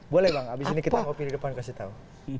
boleh bang abis ini kita mau pilih depan kasih tahu